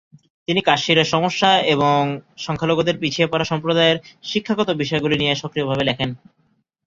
তিনি কাশ্মীরের সমস্যা এবং সংখ্যালঘুদের পিছিয়ে পড়া সম্প্রদায়ের শিক্ষাগত বিষয়গুলি নিয়ে সক্রিয়ভাবে লেখেন।